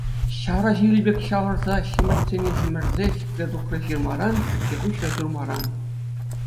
Ҫавраҫил пек ҫавӑрса, ҫӗмӗртсене ҫӗмӗрсе, сикрӗ тухрӗ ҫырмаран, пӗкке хуҫрӗ ҫурмаран.